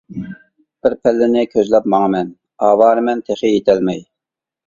بىر پەللىنى كۆزلەپ ماڭىمەن، ئاۋارىمەن تېخى يېتەلمەي.